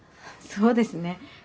そうですね。